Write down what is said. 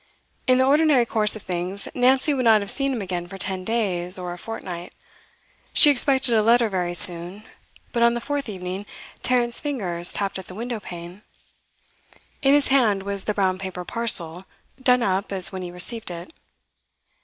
In the ordinary course of things Nancy would not have seen him again for ten days or a fortnight. She expected a letter very soon, but on the fourth evening Tarrant's fingers tapped at the window pane. In his hand was the brown paper parcel, done up as when he received it.